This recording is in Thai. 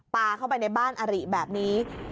ปลาเข้าไปในบ้านอาริแบบนี้